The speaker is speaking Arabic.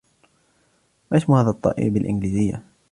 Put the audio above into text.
ما اسم هذا الطائر بالإنجليزية ؟